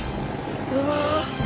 うわ！